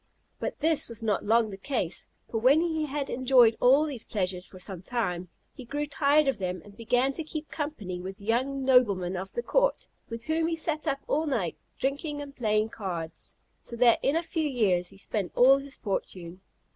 But this was not long the case; for when he had enjoyed all these pleasures for some time, he grew tired of them, and began to keep company with young noblemen of the court, with whom he sat up all night drinking and playing cards, so that in a few years he spent all his fortune.